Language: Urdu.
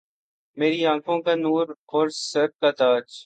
میری آنکهون کا نور أور سر کا تاج